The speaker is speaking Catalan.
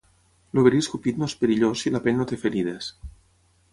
El verí escopit no és perillós si la pell no té ferides.